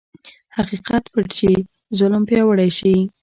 حقیقت پټ شي، ظلم پیاوړی شي.